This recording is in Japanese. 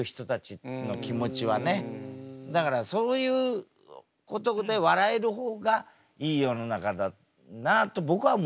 だからそういうことで笑える方がいい世の中だなと僕は思ってるんですよ。